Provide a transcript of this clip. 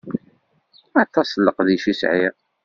Aṭas n leqdic i sɛiɣ.